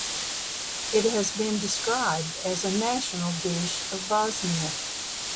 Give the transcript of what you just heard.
It has been described as a national dish of Bosnia.